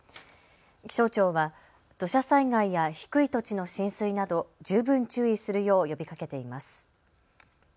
気象庁は土砂災害や低い土地の浸水など十分注意するよう呼びかけています。